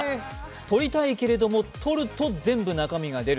取りたいけど、取ると全部中身が出る。